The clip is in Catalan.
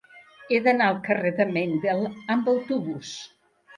He d'anar al carrer de Mendel amb autobús.